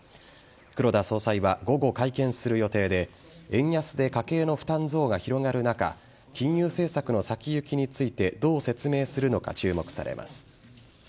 黒田総裁は午後会見する予定で円安で家計の負担増が広がる中金融政策の先行きについてどう説明するのか注目されます。